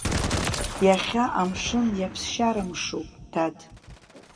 Иахьа амшын иаԥсшьарамшуп, дад!